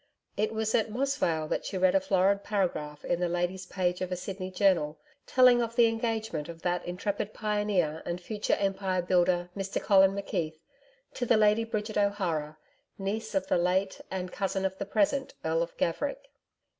It was at Mossvale that she read a florid paragraph in the Ladies' Page of a Sydney Journal, telling of the engagement of 'that intrepid Pioneer and future Empire builder, Mr Colin McKeith, to the Lady Bridget O'Hara, niece of the late, and cousin of the present, Earl of Gaverick'.